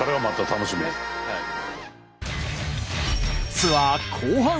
ツアー後半戦。